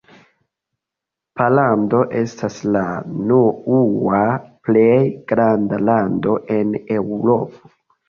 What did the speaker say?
Pollando estas la naŭa plej granda lando en Eŭropo.